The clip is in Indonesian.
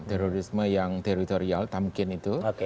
terorisme yang teritorial tamkin itu